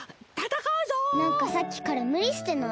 なんかさっきからむりしてない？